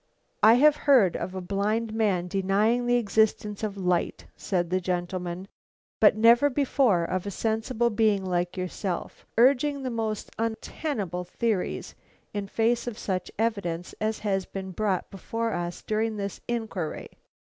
"I have heard of a blind man denying the existence of light," said that gentleman, "but never before of a sensible being like yourself urging the most untenable theories in face of such evidence as has been brought before us during this inquiry.